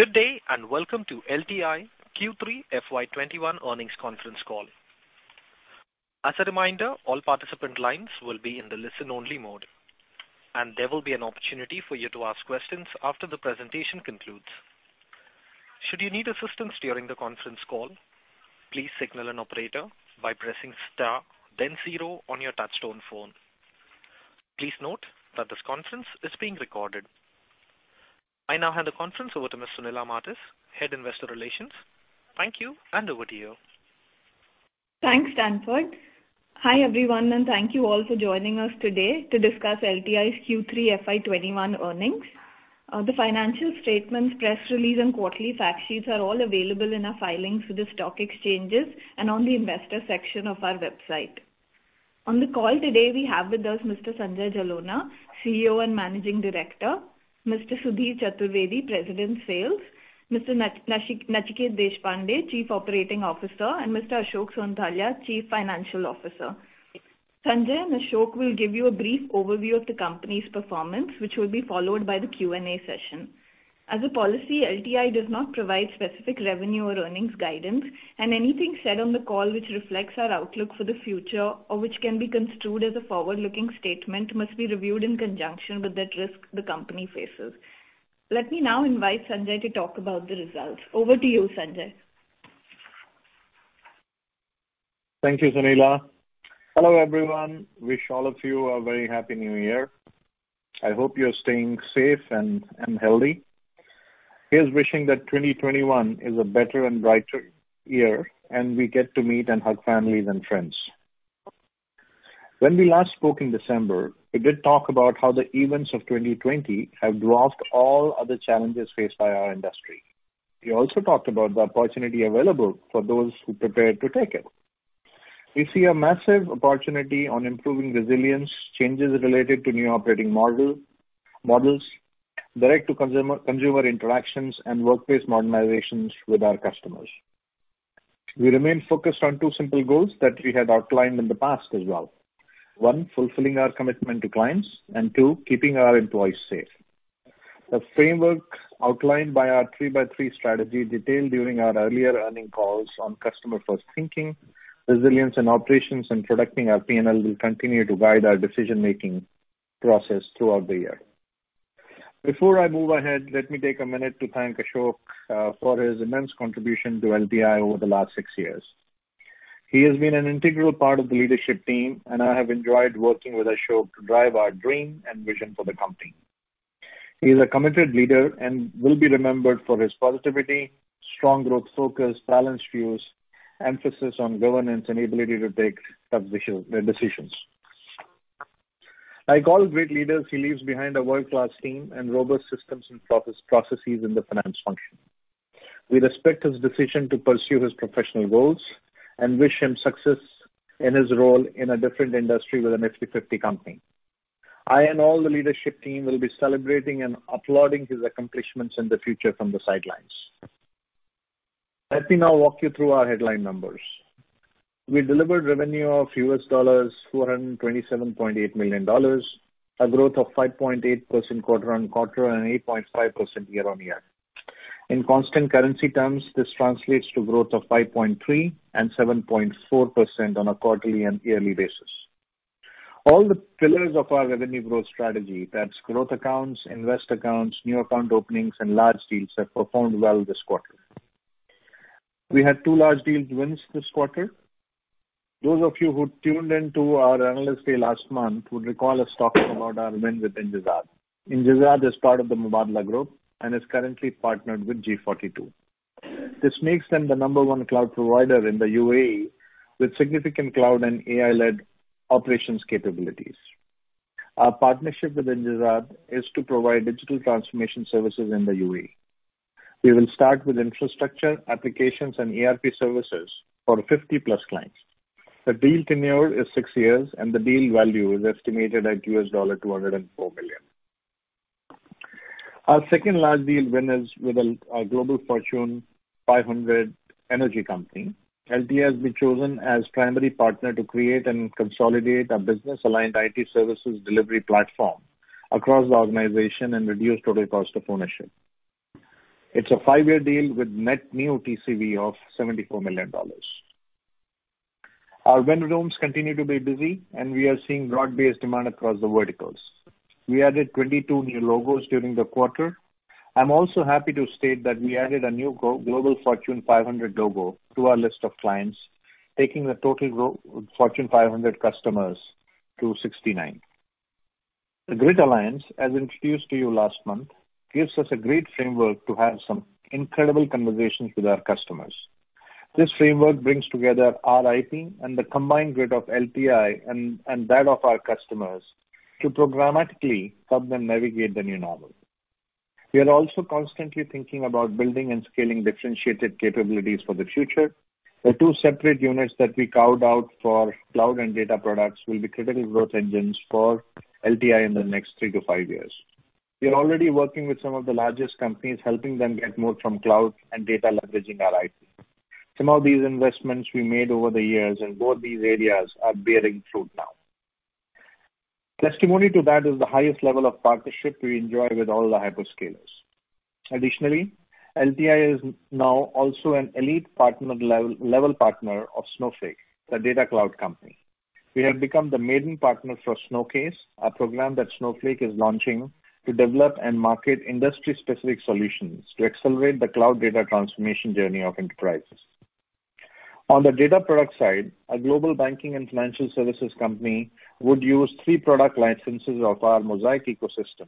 Good day, welcome to LTI Q3 FY 2021 earnings conference call. As a reminder all participants lines will be in the listen only mode. And their will be opportunity to ask questions after presentations concludes. Should you need assistance during the conference call, please signal the operator by pressing star then zero on your touchtone phone. Please note that this conference is being recorded. I now hand the conference over to Ms. Sunila Martis, Head-Investor Relations. Thank you, over to you. Thanks, Stanford. Hi, everyone, and thank you all for joining us today to discuss LTI's Q3 FY 2021 earnings. The financial statements, press release, and quarterly fact sheets are all available in our filings with the stock exchanges and on the investor section of our website. On the call today, we have with us Mr. Sanjay Jalona, CEO and Managing Director, Mr. Sudhir Chaturvedi, President Sales, Mr. Nachiket Deshpande, Chief Operating Officer, and Mr. Ashok Sonthalia, Chief Financial Officer. Sanjay and Ashok will give you a brief overview of the company's performance, which will be followed by the Q&A session. As a policy, LTI does not provide specific revenue or earnings guidance, and anything said on the call which reflects our outlook for the future or which can be construed as a forward-looking statement must be reviewed in conjunction with that risk the company faces. Let me now invite Sanjay to talk about the results. Over to you, Sanjay. Thank you, Sunila. Hello, everyone. Wish all of you a very happy New Year. I hope you're staying safe and healthy. Here's wishing that 2021 is a better and brighter year, and we get to meet and hug families and friends. When we last spoke in December, we did talk about how the events of 2020 have dwarfed all other challenges faced by our industry. We also talked about the opportunity available for those who prepare to take it. We see a massive opportunity on improving resilience, changes related to new operating models, direct-to-consumer, consumer interactions, and workplace modernizations with our customers. We remain focused on two simple goals that we had outlined in the past as well. One, fulfilling our commitment to clients, and two, keeping our employees safe. The framework outlined by our three-by-three strategy detailed during our earlier earning calls on customer first thinking, resilience in operations and protecting our P&L will continue to guide our decision-making process throughout the year. Before I move ahead, let me take a minute to thank Ashok for his immense contribution to LTI over the last six years. He has been an integral part of the leadership team, and I have enjoyed working with Ashok to drive our dream and vision for the company. He is a committed leader and will be remembered for his positivity, strong growth focus, balanced views, emphasis on governance, and ability to take tough decisions. Like all great leaders, he leaves behind a world-class team and robust systems and processes in the finance function. We respect his decision to pursue his professional goals and wish him success in his role in a different industry with an NIFTY 50 company. I and all the leadership team will be celebrating and applauding his accomplishments in the future from the sidelines. Let me now walk you through our headline numbers. We delivered revenue of $427.8 million, a growth of 5.8% quarter-on-quarter and 8.5% year-on-year. In constant currency terms, this translates to growth of 5.3% and 7.4% on a quarterly and yearly basis. All the pillars of our revenue growth strategy, that's growth accounts, invest accounts, new account openings, and large deals have performed well this quarter. We had two large deals wins this quarter. Those of you who tuned in to our analyst day last month would recall us talking about our win within Injazat. Injazat is part of the Mubadala Group and is currently partnered with G42. This makes them the number one cloud provider in the U.A.E. with significant cloud and AI-led operations capabilities. Our partnership with Injazat is to provide digital transformation services in the U.A.E. We will start with infrastructure, applications, and ERP services for 50+ clients. The deal tenure is six years, and the deal value is estimated at $204 million. Our second large deal win is with a Global Fortune 500 energy company. LTI has been chosen as primary partner to create and consolidate a business-aligned IT services delivery platform across the organization and reduce total cost of ownership. It's a five-year deal with net new TCV of $74 million. Our win rooms continue to be busy, and we are seeing broad-based demand across the verticals. We added 22 new logos during the quarter. I'm also happy to state that we added a new Global Fortune 500 logo to our list of clients, taking the total Fortune 500 customers to 69. The GRID Alliance, as introduced to you last month, gives us a great framework to have some incredible conversations with our customers. This framework brings together our IP and the combined grid of LTI and that of our customers to programmatically help them navigate the new normal. We are also constantly thinking about building and scaling differentiated capabilities for the future. The two separate units that we carved out for cloud and data products will be critical growth engines for LTI in the next three to five years. We are already working with some of the largest companies, helping them get more from cloud and data leveraging our IP. Some of these investments we made over the years in both these areas are bearing fruit now. Testimony to that is the highest level of partnership we enjoy with all the hyperscalers. Additionally, LTI is now also an elite level partner of Snowflake, the data cloud company. We have become the maiden partner for Snowcase, a program that Snowflake is launching to develop and market industry-specific solutions to accelerate the cloud data transformation journey of enterprises. On the data product side, a global banking and financial services company would use three product licenses of our Mosaic ecosystem,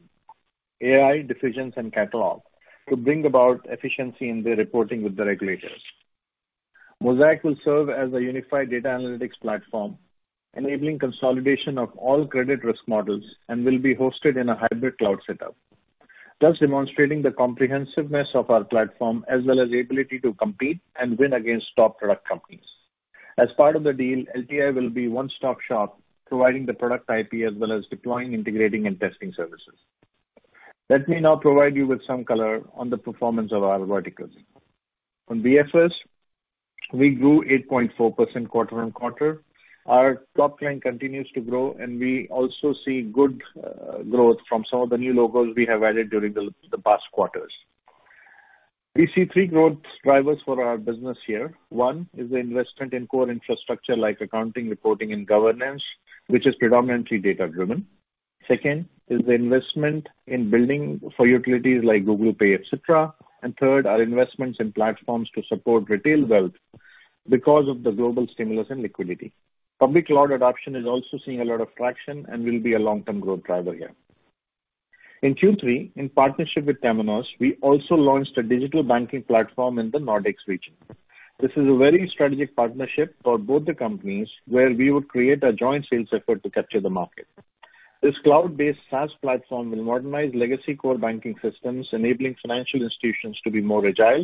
AI, Decisions, and Catalog, to bring about efficiency in their reporting with the regulators. Mosaic will serve as a unified data analytics platform, enabling consolidation of all credit risk models and will be hosted in a hybrid cloud setup, thus demonstrating the comprehensiveness of our platform as well as ability to compete and win against top product companies. As part of the deal, LTI will be a one-stop shop providing the product IP as well as deploying, integrating, and testing services. Let me now provide you with some color on the performance of our verticals. On BFS, we grew 8.4% quarter-on-quarter. Our top line continues to grow, and we also see good growth from some of the new logos we have added during the past quarters. We see three growth drivers for our business here. One is the investment in core infrastructure like accounting, reporting, and governance, which is predominantly data-driven. Second is the investment in building for utilities like Google Pay, etc. Third are investments in platforms to support retail wealth because of the global stimulus and liquidity. Public cloud adoption is also seeing a lot of traction and will be a long-term growth driver here. In Q3, in partnership with Temenos, we also launched a digital banking platform in the Nordics region. This is a very strategic partnership for both the companies where we would create a joint sales effort to capture the market. This cloud-based SaaS platform will modernize legacy core banking systems, enabling financial institutions to be more agile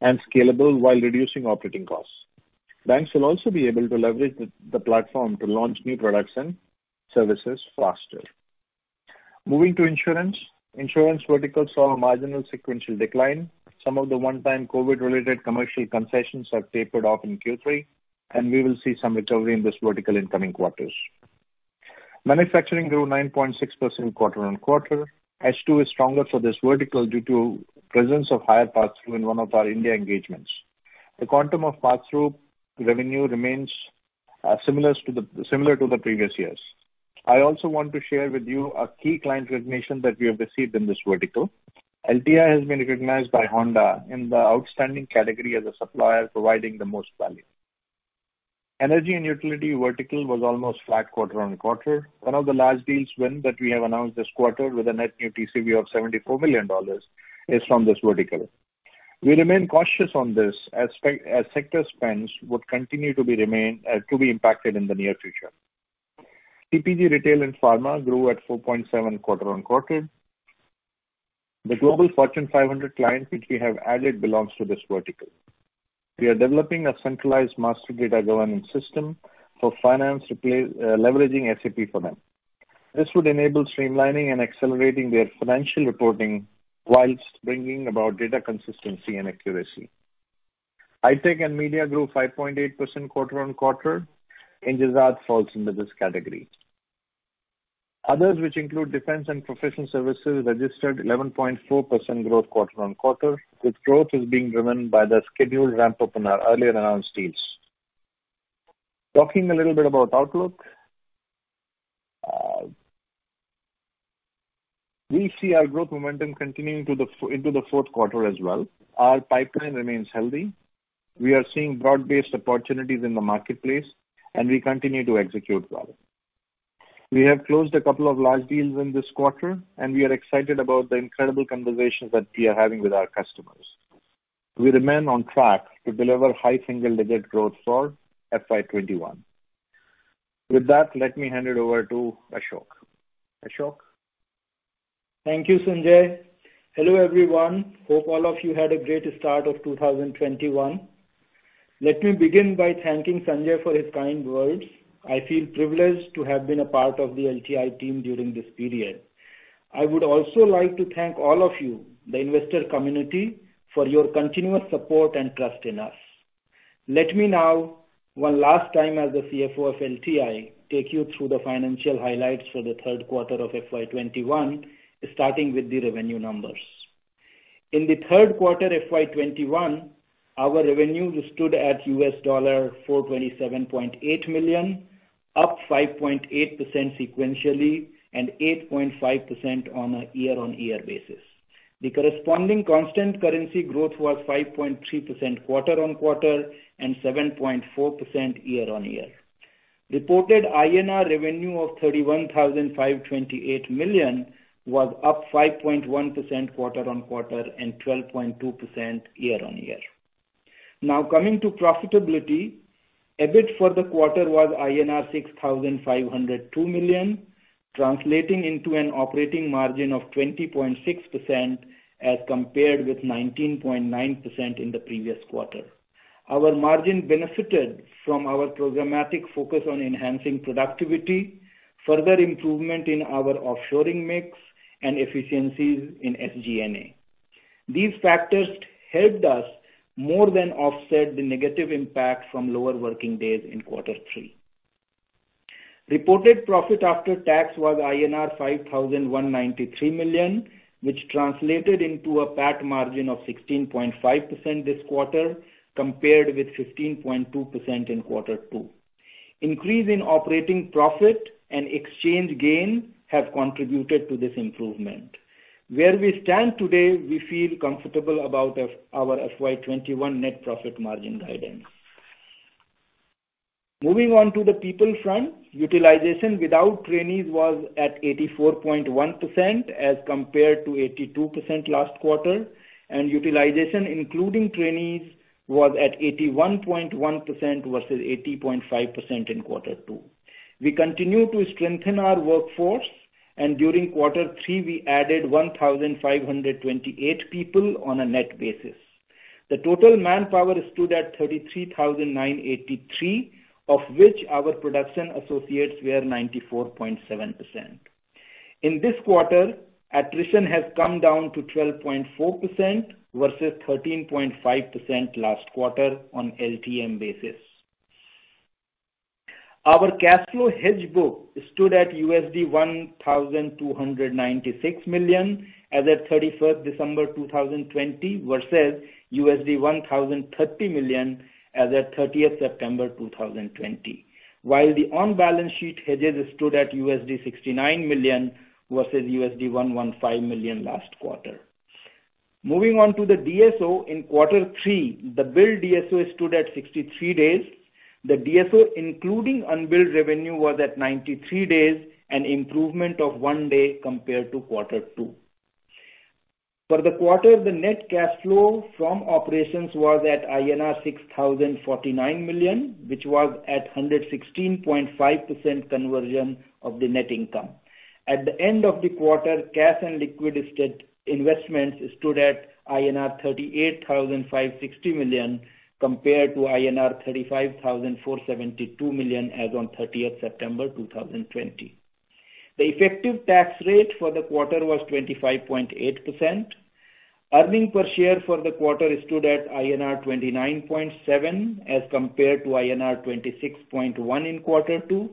and scalable while reducing operating costs. Banks will also be able to leverage the platform to launch new products and services faster. Moving to insurance. Insurance vertical saw a marginal sequential decline. Some of the one-time COVID-related commercial concessions have tapered off in Q3, and we will see some recovery in this vertical in coming quarters. Manufacturing grew 9.6% quarter-on-quarter. H2 is stronger for this vertical due to presence of higher pass-through in one of our India engagements. The quantum of pass-through revenue remains similar to the previous years. I also want to share with you a key client recognition that we have received in this vertical. LTI has been recognized by Honda in the outstanding category as a supplier providing the most value. Energy and utility vertical was almost flat quarter-on-quarter. One of the large deals win that we have announced this quarter with a net new TCV of $74 million is from this vertical. We remain cautious on this as sector spends would continue to be impacted in the near future. CPG retail and pharma grew at 4.7% quarter-on-quarter. The global Fortune 500 client which we have added belongs to this vertical. We are developing a centralized master data governance system for finance, leveraging SAP for them. This would enable streamlining and accelerating their financial reporting whilst bringing about data consistency and accuracy. High-tech and media grew 5.8% quarter-on-quarter. Injazat falls into this category. Others, which include defense and professional services, registered 11.4% growth quarter-on-quarter, with growth is being driven by the scheduled ramp-up in our earlier announced deals. Talking a little bit about outlook, we see our growth momentum continuing into the fourth quarter as well. Our pipeline remains healthy. We are seeing broad-based opportunities in the marketplace, and we continue to execute well. We have closed a couple of large deals in this quarter, and we are excited about the incredible conversations that we are having with our customers. We remain on track to deliver high single-digit growth for FY 2021. With that, let me hand it over to Ashok. Ashok? Thank you, Sanjay. Hello, everyone. Hope all of you had a great start of 2021. Let me begin by thanking Sanjay for his kind words. I feel privileged to have been a part of the LTI team during this period. I would also like to thank all of you, the investor community, for your continuous support and trust in us. Let me now, one last time as the CFO of LTI, take you through the financial highlights for the third quarter of FY 2021, starting with the revenue numbers. In the third quarter FY 2021, our revenue stood at $427.8 million, up 5.8% sequentially and 8.5% on a year-on-year basis. The corresponding constant currency growth was 5.3% quarter-on-quarter and 7.4% year-on-year. Reported INR revenue of 31,528 million was up 5.1% quarter-on-quarter and 12.2% year-on-year. Now, coming to profitability, EBIT for the quarter was INR 6,502 million, translating into an operating margin of 20.6% as compared with 19.9% in the previous quarter. Our margin benefited from our programmatic focus on enhancing productivity, further improvement in our offshoring mix, and efficiencies in SG&A. These factors helped us more than offset the negative impact from lower working days in quarter three. Reported profit after tax was INR 5,193 million, which translated into a PAT margin of 16.5% this quarter, compared with 15.2% in quarter two. Increase in operating profit and exchange gain have contributed to this improvement. Where we stand today, we feel comfortable about our FY 2021 net profit margin guidance. Moving on to the people front. Utilization without trainees was at 84.1% as compared to 82% last quarter, and utilization including trainees was at 81.1% versus 80.5% in quarter two. We continue to strengthen our workforce, and during quarter three, we added 1,528 people on a net basis. The total manpower stood at 33,983, of which our production associates were 94.7%. In this quarter, attrition has come down to 12.4% versus 13.5% last quarter on LTM basis. Our cash flow hedge book stood at $1,296 million as at December 31st, 2020 versus $1,030 million as at September 30th, 2020. While the on-balance sheet hedges stood at $69 million versus $115 million last quarter. Moving on to the DSO in quarter three. The bill DSO stood at 63 days. The DSO including unbilled revenue was at 93 days, an improvement of one day compared to quarter two. For the quarter, the net cash flow from operations was at INR 6,049 million, which was at 116.5% conversion of the net income. At the end of the quarter, cash and liquid investments stood at INR 38,560 million compared to INR 35,472 million as on September 30th, 2020. The effective tax rate for the quarter was 25.8%. Earnings per share for the quarter stood at INR 29.7 as compared to INR 26.1 in quarter two.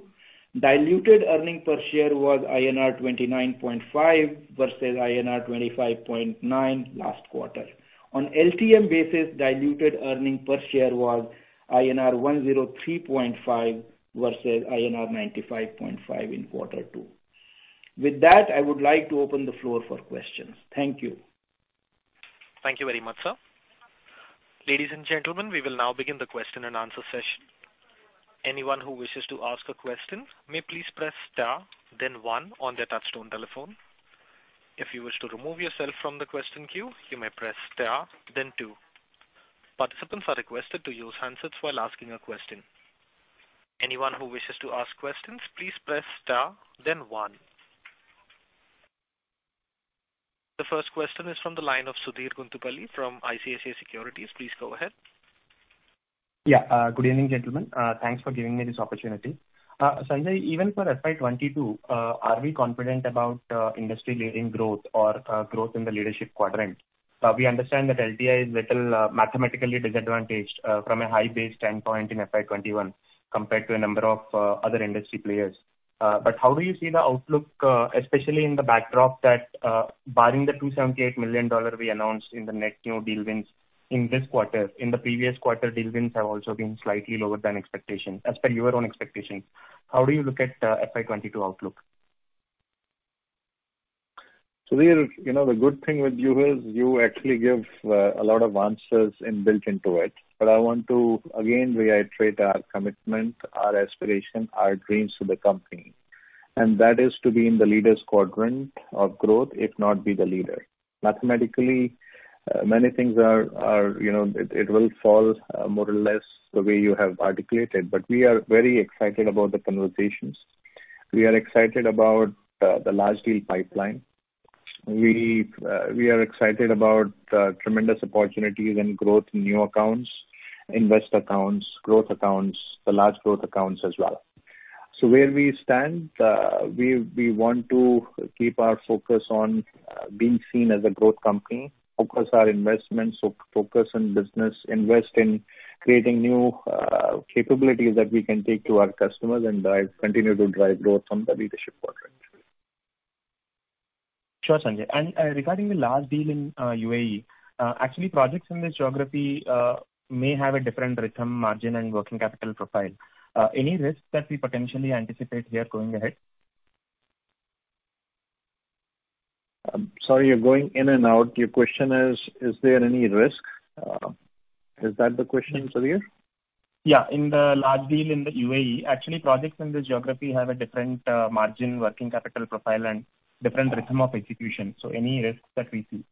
Diluted earnings per share was INR 29.5 versus INR 25.9 last quarter. On LTM basis, diluted earnings per share was INR 103.5 versus INR 95.5 in quarter two. With that, I would like to open the floor for questions. Thank you. Thank you very much, sir. Ladies and gentlemen, we will now begin the question-and-answer session. Anyone who wish to ask question may please press star and one on their touchtone phone. If you wish to remove yourself from the question queue press star then two. Participants are requested to use handsets while asking a question. Anyone who wish to ask question please press star then one. The first question is from the line of Sudheer Guntupalli from ICICI Securities. Please go ahead. Good evening, gentlemen. Thanks for giving me this opportunity. Sanjay, even for FY 2022, are we confident about industry-leading growth or growth in the leadership quadrant? We understand that LTI is little mathematically disadvantaged from a high base standpoint in FY 2021 compared to a number of other industry players. How do you see the outlook, especially in the backdrop that barring the $278 million we announced in the net new deal wins in this quarter, in the previous quarter, deal wins have also been slightly lower than expectation. As per your own expectations, how do you look at FY 2022 outlook? Sudheer, the good thing with you is you actually give a lot of answers in built into it. I want to again reiterate our commitment, our aspiration, our dreams for the company, and that is to be in the leaders quadrant of growth, if not be the leader. Mathematically, many things will fall more or less the way you have articulated, but we are very excited about the conversations. We are excited about the large deal pipeline. We are excited about tremendous opportunities and growth in new accounts, invest accounts, growth accounts, the large growth accounts as well. Where we stand, we want to keep our focus on being seen as a growth company, focus our investments, focus on business, invest in creating new capabilities that we can take to our customers and continue to drive growth from the leadership quadrant. Sure, Sanjay. Regarding the large deal in U.A.E., actually, projects in this geography may have a different rhythm, margin, and working capital profile. Any risk that we potentially anticipate here going ahead? I'm sorry, you're going in and out. Your question is there any risk? Is that the question, Sudheer? Yeah. In the large deal in the U.A.E. Actually, projects in this geography have a different margin working capital profile and different rhythm of execution. Any risks that we see?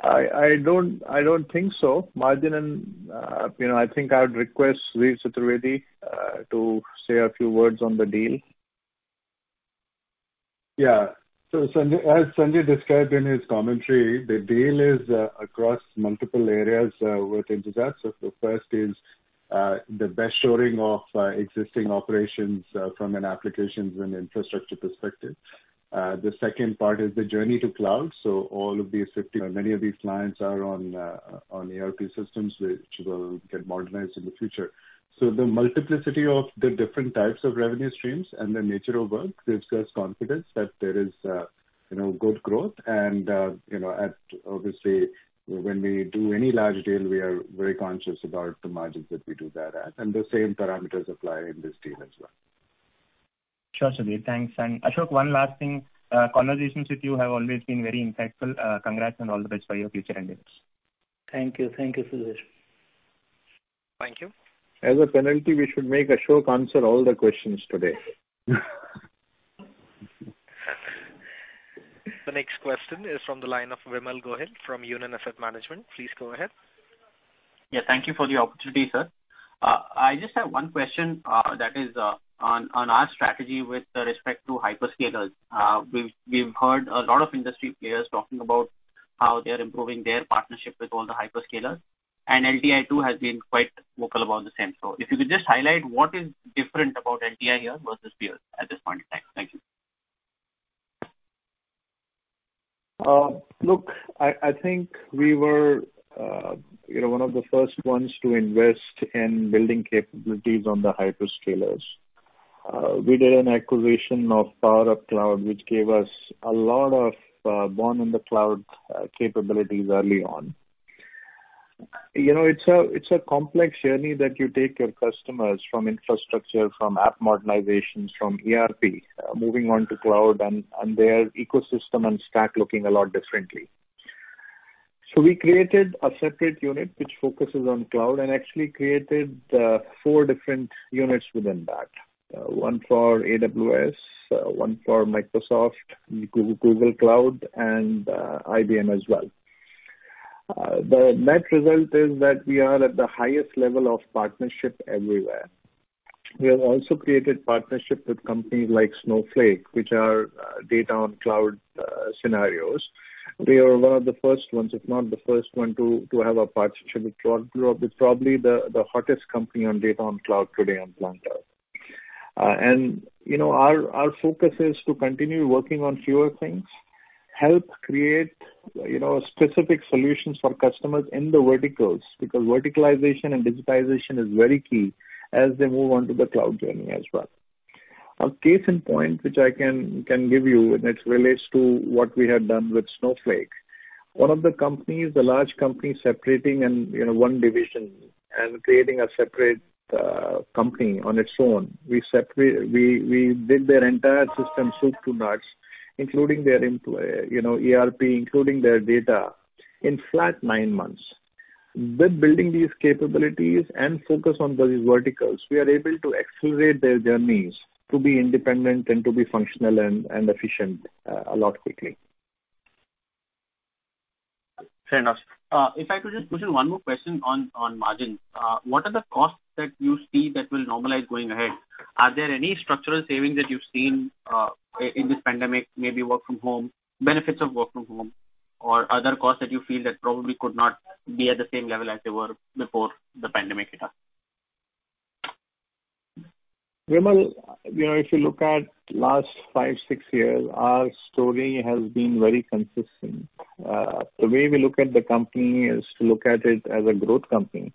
I don't think so. Margin. I think I would request Sudhir Chaturvedi to say a few words on the deal. Yeah. As Sanjay described in his commentary, the deal is across multiple areas within Injazat. The best showing of existing operations from an applications and infrastructure perspective. The second part is the journey to cloud. Many of these clients are on ERP systems, which will get modernized in the future. The multiplicity of the different types of revenue streams and their nature of work gives us confidence that there is good growth. Obviously, when we do any large deal, we are very conscious about the margins that we do that at, and the same parameters apply in this deal as well. Sure, Sudhir. Thanks. Ashok, one last thing. Conversations with you have always been very insightful. Congrats and all the best for your future endeavors. Thank you. Thank you, Sudheer. Thank you. As a penalty, we should make Ashok answer all the questions today. The next question is from the line of Vimal Gohil from Union Asset Management. Please go ahead. Yeah, thank you for the opportunity, sir. I just have one question that is on our strategy with respect to hyperscalers. We've heard a lot of industry players talking about how they're improving their partnership with all the hyperscalers, and LTI too has been quite vocal about the same. If you could just highlight what is different about LTI here versus peers at this point in time? Thank you. Look, I think we were one of the first ones to invest in building capabilities on the hyperscalers. We did an acquisition of PowerupCloud, which gave us a lot of born in the cloud capabilities early on. It's a complex journey that you take your customers from infrastructure, from app modernizations, from ERP, moving on to cloud and their ecosystem and stack looking a lot differently. We created a separate unit which focuses on cloud and actually created four different units within that. One for AWS, one for Microsoft, Google Cloud, and IBM as well. The net result is that we are at the highest level of partnership everywhere. We have also created partnerships with companies like Snowflake, which are data on cloud scenarios. We are one of the first ones, if not the first one, to have a It's probably the hottest company on data on cloud today on planet Earth. Our focus is to continue working on fewer things, help create specific solutions for customers in the verticals, because verticalization and digitization is very key as they move on to the cloud journey as well. A case in point which I can give you, and it relates to what we have done with Snowflake. One of the companies, the large companies separating in one division and creating a separate company on its own. We did their entire system soup to nuts, including their ERP, including their data, in flat nine months. With building these capabilities and focus on those verticals, we are able to accelerate their journeys to be independent and to be functional and efficient a lot quickly. Fair enough. If I could just put in one more question on margins. What are the costs that you see that will normalize going ahead? Are there any structural savings that you've seen in this pandemic, maybe work from home, benefits of work from home, or other costs that you feel that probably could not be at the same level as they were before the pandemic hit us? Vimal, if you look at last five, six years, our story has been very consistent. The way we look at the company is to look at it as a growth company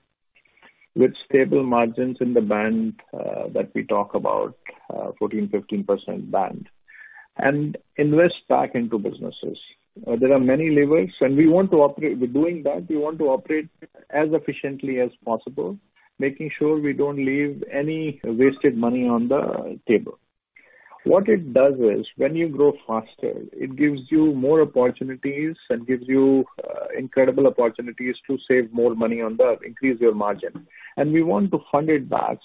with stable margins in the band that we talk about, 14%, 15% band. Invest back into businesses. There are many levers, we're doing that. We want to operate as efficiently as possible, making sure we don't leave any wasted money on the table. What it does is when you grow faster, it gives you more opportunities and gives you incredible opportunities to save more money on the increase your margin. We want to fund it back.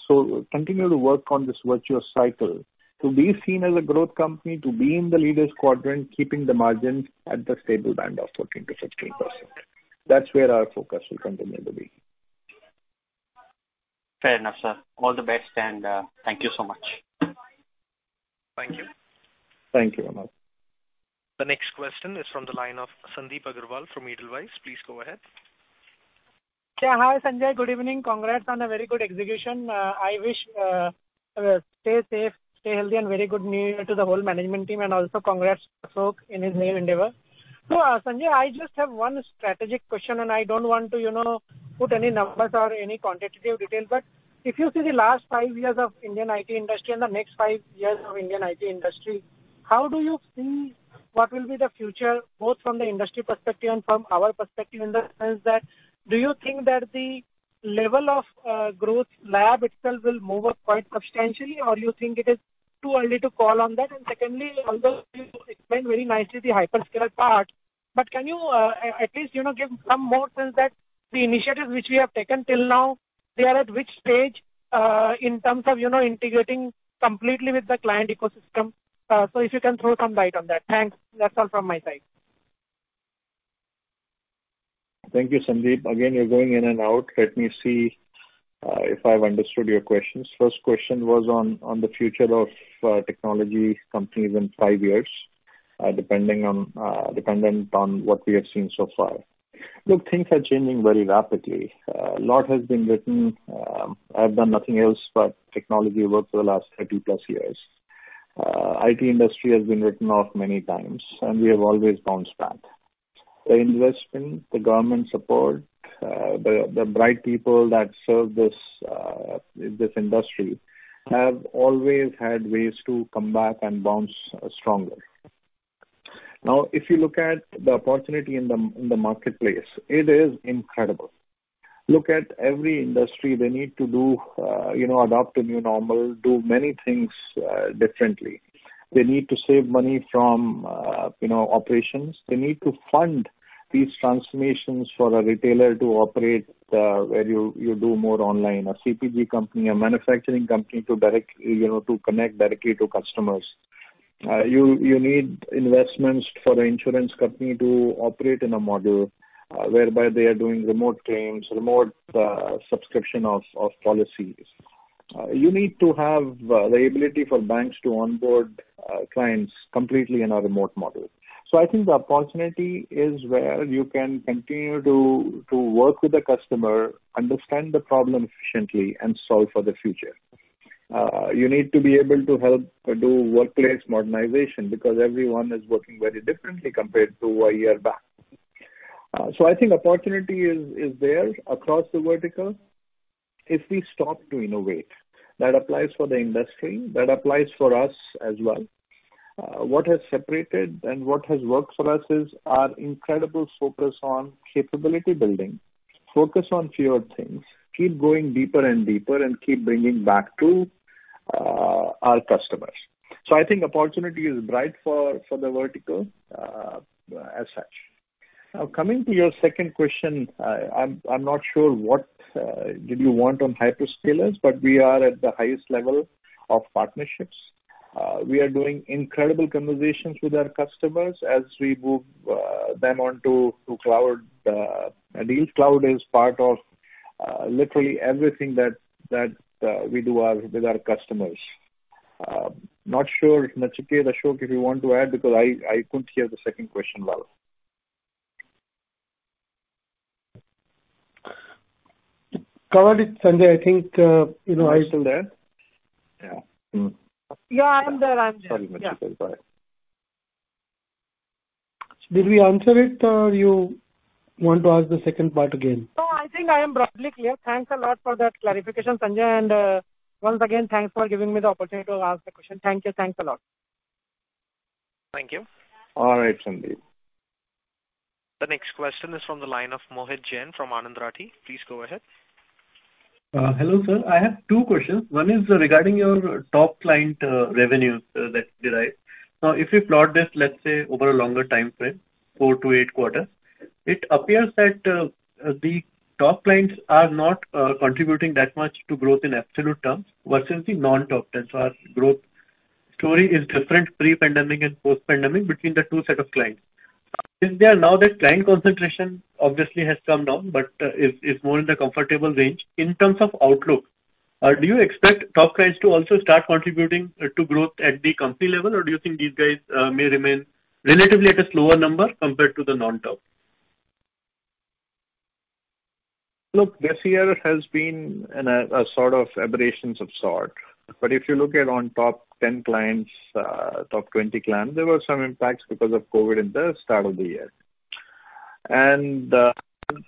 Continue to work on this virtuous cycle to be seen as a growth company, to be in the leaders quadrant, keeping the margins at the stable band of 14%-15%. That's where our focus will continue to be. Fair enough, sir. All the best, and thank you so much. Thank you. Thank you, Vimal. The next question is from the line of Sandip Agarwal from Edelweiss. Please go ahead. Hi, Sanjay. Good evening. Congrats on a very good execution. Stay safe, stay healthy, and very good news to the whole management team, and also congrats, Ashok, in his new endeavor. Sanjay, I just have one strategic question, and I don't want to put any numbers or any quantitative details, but if you see the last five years of Indian IT industry and the next five years of Indian IT industry, how do you see what will be the future, both from the industry perspective and from our perspective in the sense that, do you think that the level of growth lab itself will move up quite substantially, or you think it is too early to call on that? Secondly, although you explained very nicely the hyperscaler part, but can you at least give some more sense that the initiatives which we have taken till now, they are at which stage, in terms of integrating completely with the client ecosystem? If you can throw some light on that. Thanks. That's all from my side. Thank you, Sandip. Again, you're going in and out. Let me see if I've understood your questions. First question was on the future of technology companies in five years. Depending on what we have seen so far. Look, things are changing very rapidly. A lot has been written. I've done nothing else but technology work for the last 30+ years. IT industry has been written off many times, and we have always bounced back. The investment, the government support, the bright people that serve this industry have always had ways to come back and bounce stronger. If you look at the opportunity in the marketplace, it is incredible. Look at every industry. They need to adopt a new normal, do many things differently. They need to save money from operations. They need to fund these transformations for a retailer to operate where you do more online, a CPG company, a manufacturing company to connect directly to customers. You need investments for the insurance company to operate in a model whereby they are doing remote claims, remote subscription of policies. You need to have the ability for banks to onboard clients completely in a remote model. I think the opportunity is where you can continue to work with the customer, understand the problem efficiently, and solve for the future. You need to be able to help do workplace modernization because everyone is working very differently compared to a year back. I think opportunity is there across the vertical if we start to innovate. That applies for the industry. That applies for us as well. What has separated and what has worked for us is our incredible focus on capability building, focus on fewer things, keep going deeper and deeper, and keep bringing back to our customers. I think opportunity is bright for the vertical as such. Coming to your second question, I'm not sure what did you want on hyperscalers, but we are at the highest level of partnerships. We are doing incredible conversations with our customers as we move them onto cloud. Each cloud is part of literally everything that we do with our customers. Not sure, Nachiket, Ashok, if you want to add because I couldn't hear the second question well. Covered it, Sanjay. Are you still there? Yeah. Yeah, I'm there. Sorry, Nachiket. Go ahead. Did we answer it, or you want to ask the second part again? No, I think I am broadly clear. Thanks a lot for that clarification, Sanjay, and once again, thanks for giving me the opportunity to ask the question. Thank you. Thanks a lot. Thank you. All right, Sandip. The next question is from the line of Mohit Jain from Anand Rathi. Please go ahead. Hello, sir. I have two questions. One is regarding your top client revenues that you derive. If you plot this, let's say, over a longer timeframe, four to eight quarters, it appears that the top clients are not contributing that much to growth in absolute terms versus the non-top 10. Our growth story is different pre-pandemic and post-pandemic between the two set of clients. Since they are now that client concentration obviously has come down but is more in the comfortable range. In terms of outlook, do you expect top clients to also start contributing to growth at the company level or do you think these guys may remain relatively at a slower number compared to the non-top? Look, this year has been in a sort of aberrations of sort. If you look at on top 10 clients, top 20 clients, there were some impacts because of COVID in the start of the year.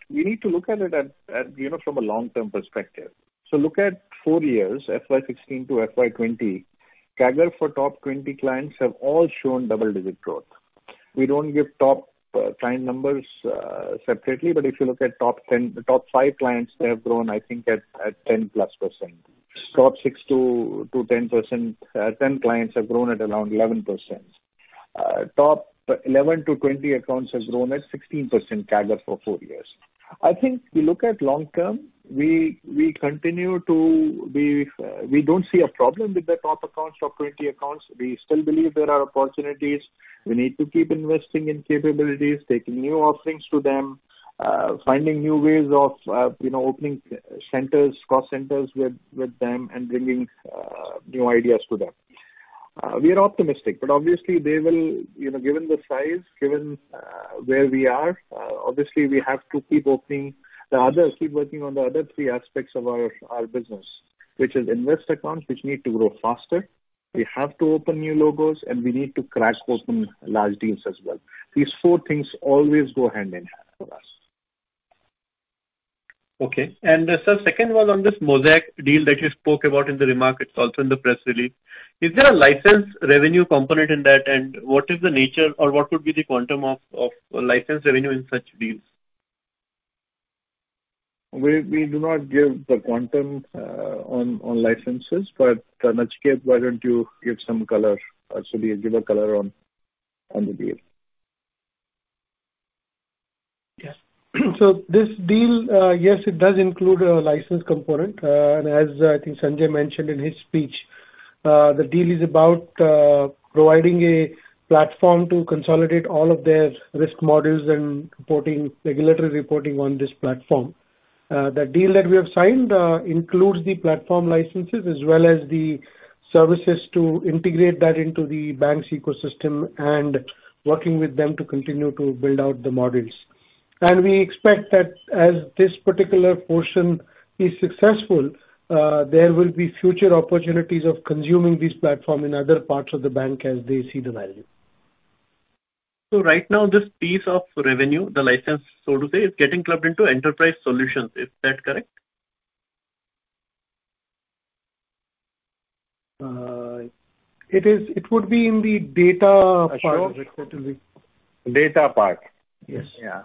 We need to look at it from a long-term perspective. Look at four years, FY 2016 to FY 2020, CAGR for top 20 clients have all shown double-digit growth. We don't give top client numbers separately, but if you look at the top five clients, they have grown, I think at 10+%. Top 6-10 clients have grown at around 11%. Top 11-20 accounts has grown at 16% CAGR for four years. I think if you look at long term, we don't see a problem with the top accounts, top 20 accounts. We still believe there are opportunities. We need to keep investing in capabilities, taking new offerings to them, finding new ways of opening centers, cross centers with them and bringing new ideas to them. We are optimistic, but obviously given the size, given where we are, obviously we have to keep working on the other three aspects of our business, which is invest accounts which need to grow faster. We have to open new logos and we need to crack open large deals as well. These four things always go hand-in-hand for us. Okay. Sir, second was on this Mosaic deal that you spoke about in the remarks, it's also in the press release. Is there a license revenue component in that? What is the nature or what would be the quantum of license revenue in such deals? We do not give the quantum on licenses. Nachiket, why don't you give some color? Actually, give a color on the deal. This deal yes, it does include a license component. As I think Sanjay mentioned in his speech, the deal is about providing a platform to consolidate all of their risk models and regulatory reporting on this platform. The deal that we have signed includes the platform licenses as well as the services to integrate that into the bank's ecosystem and working with them to continue to build out the models. We expect that as this particular portion is successful, there will be future opportunities of consuming this platform in other parts of the bank as they see the value. Right now, this piece of revenue, the license, so to say, is getting clubbed into enterprise solutions. Is that correct? It would be in the data part. Data part. Yes. Yeah.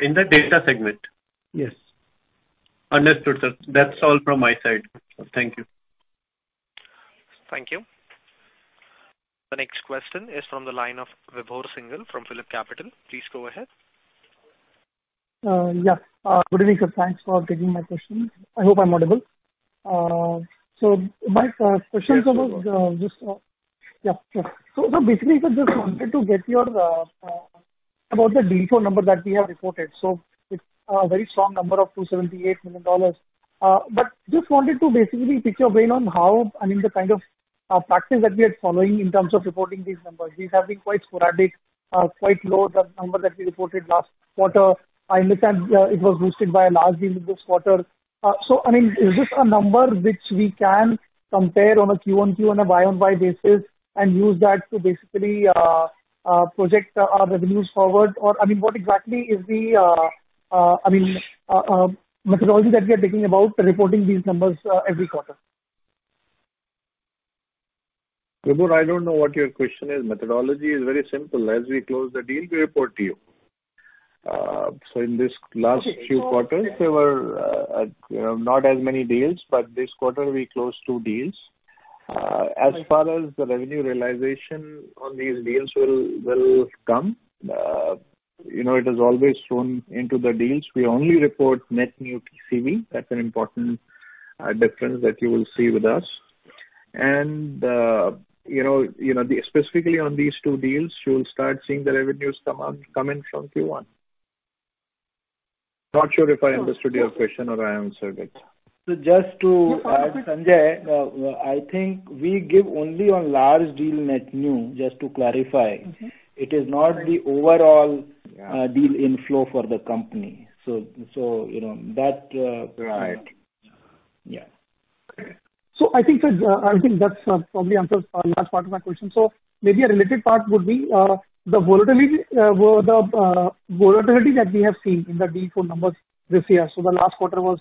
In the data segment. Yes. Understood, sir. That's all from my side. Thank you. Thank you. The next question is from the line of Vibhor Singhal from PhillipCapital. Please go ahead. Yeah. Good evening, sir. Thanks for taking my question. I hope I'm audible. My question was. Yeah, sure. Basically, sir, just wanted to get about the deal flow number that we have reported. It's a very strong number of $278 million. Just wanted to basically pick your brain on how, and the kind of practice that we are following in terms of reporting these numbers. These have been quite sporadic, quite low, the number that we reported last quarter. I understand it was boosted by a large deal this quarter. Is this a number which we can compare on a Q-on-Q and a Y-on-Y basis and use that to basically project our revenues forward? What exactly is the methodology that we are taking about reporting these numbers every quarter? Vibhor, I don't know what your question is. Methodology is very simple. As we close the deal, we report to you. In this last few quarters, there were not as many deals. This quarter, we closed two deals. As far as the revenue realization on these deals will come. It is always shown into the deals. We only report net new TCV. That's an important difference that you will see with us. Specifically on these two deals, you will start seeing the revenues come in from Q1. Not sure if I understood your question or I answered it. Just to add, Sanjay, I think we give only on large deal net new, just to clarify. It is not the overall deal inflow for the company. Right. Yeah. I think that probably answers a large part of my question. Maybe a related part would be the volatility that we have seen in the deal flow numbers this year. The last quarter was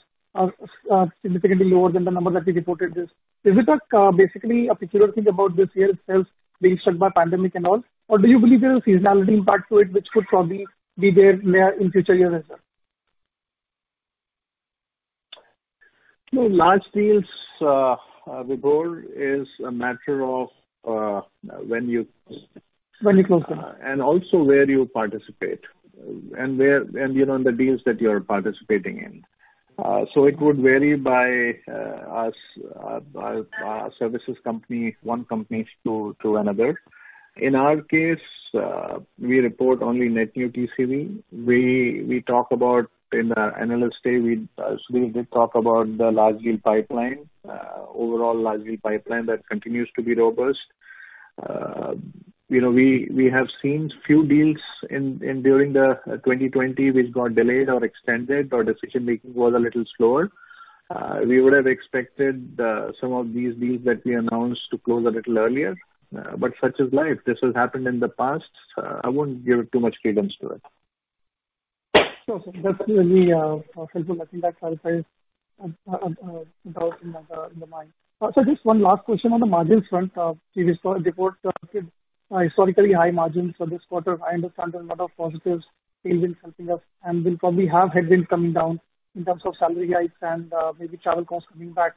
significantly lower than the number that we reported this. Is it basically a peculiar thing about this year itself being struck by pandemic and all? Or do you believe there is a seasonality impact to it which could probably be there in future years as well? No, large deals, Vibhor, is a matter of when you- When you close them. Also where you participate and the deals that you're participating in. It would vary by services company, one company to another. In our case, we report only net new TCV. In our Analyst Day, we did talk about the large deal pipeline, overall large deal pipeline that continues to be robust. We have seen few deals during the 2020 which got delayed or extended or decision-making was a little slower. We would have expected some of these deals that we announced to close a little earlier. Such is life. This has happened in the past. I wouldn't give too much cadence to it. Sure, sir. That clearly helps a lot and that clarifies a doubt in the mind. Sir, just one last question on the margin front. We saw report historically high margins for this quarter. I understand there are a lot of positives tailwind something else, and we'll probably have headwinds coming down in terms of salary hikes and maybe travel costs coming back.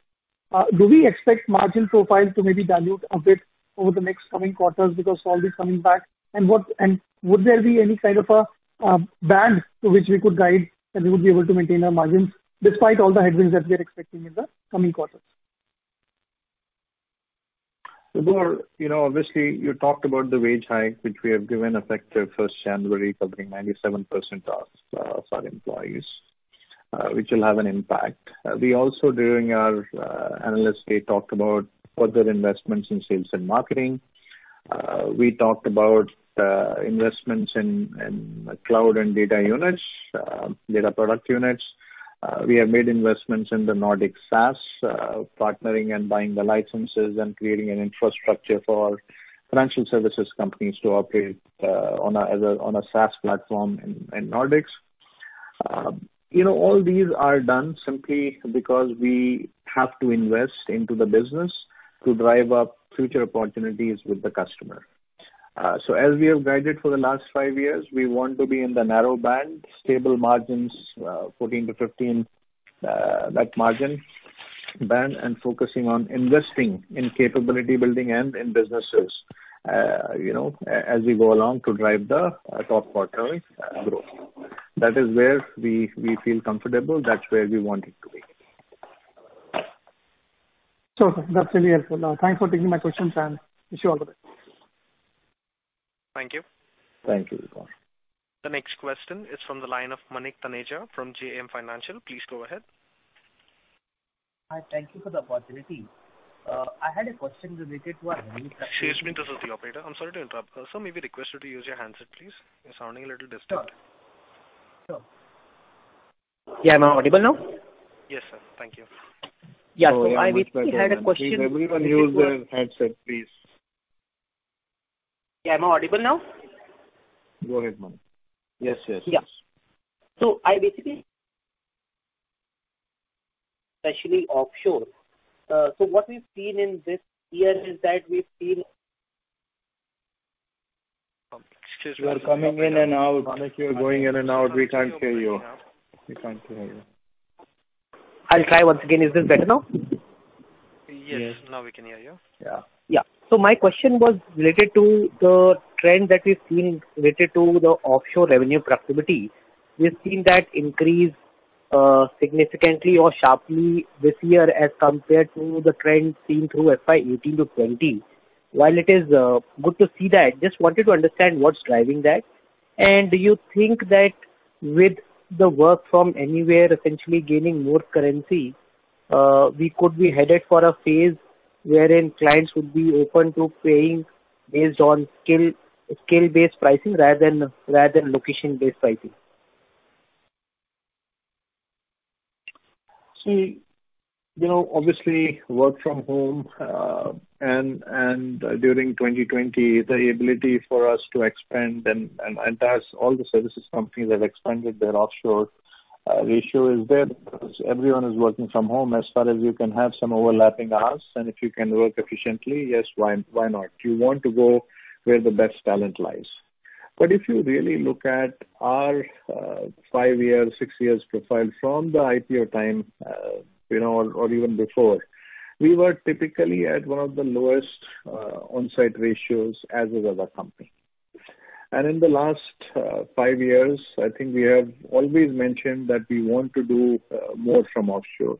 Do we expect margin profile to maybe dilute a bit over the next coming quarters because all is coming back? Would there be any kind of a band to which we could guide that we would be able to maintain our margins despite all the headwinds that we are expecting in the coming quarters? Vibhor, obviously, you talked about the wage hike, which we have given effective January 1st, covering 97% of our employees, which will have an impact. We also, during our Analyst Day, talked about further investments in sales and marketing. We talked about investments in cloud and data units, data product units. We have made investments in the Nordic SaaS, partnering and buying the licenses and creating an infrastructure for financial services companies to operate on a SaaS platform in Nordics. All these are done simply because we have to invest into the business to drive up future opportunities with the customer. As we have guided for the last five years, we want to be in the narrow band, stable margins, 14%-15%, that margin band, and focusing on investing in capability building and in businesses, as we go along to drive the top quarter growth. That is where we feel comfortable. That's where we want it to be. Sure, sir. That's really helpful. Thanks for taking my questions and wish you all the best. Thank you. Thank you, Vibhor. The next question is from the line of Manik Taneja from JM Financial. Please go ahead. Hi. Thank you for the opportunity. I had a question related to our- Excuse me. This is the operator. I'm sorry to interrupt. Sir, may we request you to use your handset, please? You're sounding a little distant. Sure. Sure. Yeah, am I audible now? Yes, sir. Thank you. Yeah. I basically had a question. Please, everyone use their handset, please. Yeah, am I audible now? Go ahead, Manik. Yes. Yeah. I basically especially offshore. What we've seen in this year is that we've seen Excuse me. You are coming in and out. Manik, you're going in and out. We can't hear you. I'll try once again. Is this better now? Yes. Now we can hear you. Yeah. My question was related to the trend that we've seen related to the offshore revenue profitability. We've seen that increase significantly or sharply this year as compared to the trend seen through FY 2018 to FY 2020. While it is good to see that, just wanted to understand what's driving that. Do you think that with the work from anywhere essentially gaining more currency, we could be headed for a phase wherein clients would be open to paying based on skill-based pricing rather than location-based pricing? Obviously, work from home during 2020, the ability for us to expand and that's all the services companies have expanded their offshore ratio is there because everyone is working from home. As far as you can have some overlapping hours, if you can work efficiently, yes. Why not? You want to go where the best talent lies. If you really look at our five year, six year profile from the IPO time, or even before, we were typically at one of the lowest onsite ratios as was our company. In the last five years, I think we have always mentioned that we want to do more from offshore.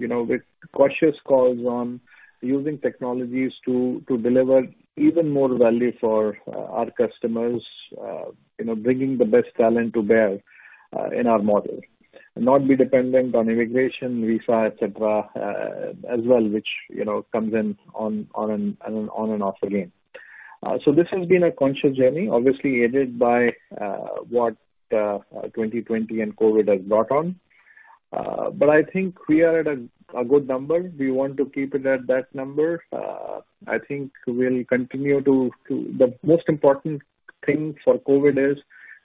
With cautious calls on using technologies to deliver even more value for our customers, bringing the best talent to bear in our model. Not be dependent on immigration, visa, etc, as well, which comes in on an off again. This has been a conscious journey, obviously aided by what 2020 and COVID has brought on. I think we are at a good number. We want to keep it at that number. The most important thing for COVID is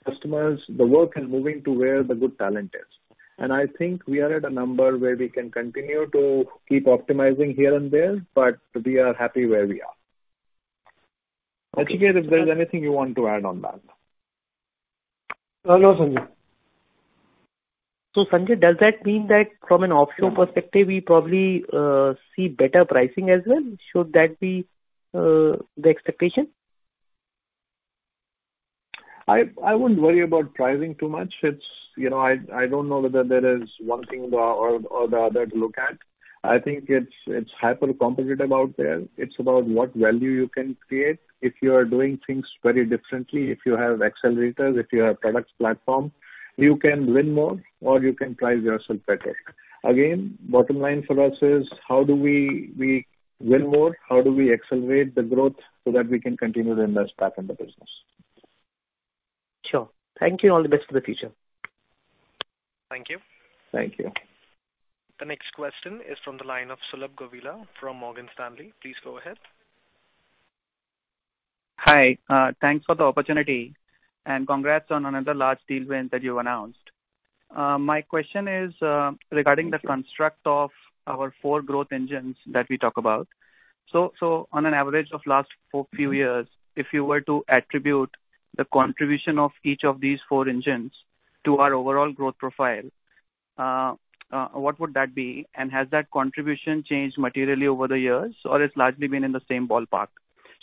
customers. The work is moving to where the good talent is. I think we are at a number where we can continue to keep optimizing here and there, but we are happy where we are. Nachiket, if there's anything you want to add on that/ No, Sanjay. Sanjay, does that mean that from an offshore perspective, we probably see better pricing as well? Should that be the expectation? I wouldn't worry about pricing too much. I don't know whether there is one thing or the other to look at. I think it's hyper-competitive out there. It's about what value you can create. If you are doing things very differently, if you have accelerators, if you have products platform, you can win more or you can price yourself better. Bottom line for us is how do we win more? How do we accelerate the growth so that we can continue to invest back in the business? Sure. Thank you. All the best for the future. Thank you. Thank you. The next question is from the line of Sulabh Govila from Morgan Stanley. Please go ahead. Hi. Thanks for the opportunity and congrats on another large deal win that you've announced. My question is regarding the construct of our four growth engines that we talk about. On an average of last four, few years, if you were to attribute the contribution of each of these four engines to our overall growth profile, what would that be? Has that contribution changed materially over the years or it's largely been in the same ballpark?